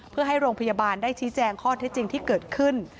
เพื่อให้โรงพยาบาลได้ชี้แจงข้อเท็จจริงที่เกิดขึ้น